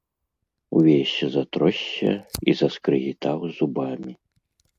Увесь затросся і заскрыгітаў зубамі.